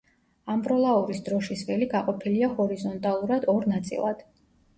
ამბროლაურის დროშის ველი გაყოფილია ჰორიზონტალურად ორ ნაწილად.